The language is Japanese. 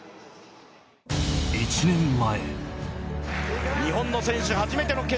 １年前。